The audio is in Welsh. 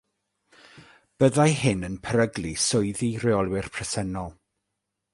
Byddai hyn yn peryglu swyddi rheolwyr presennol.